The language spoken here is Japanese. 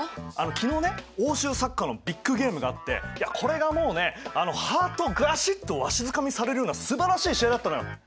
昨日ね欧州サッカーのビッグゲームがあってこれがもうねハートをガシッとわしづかみされるようなすばらしい試合だったのよ！